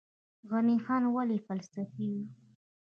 غني خان ولې فلسفي و؟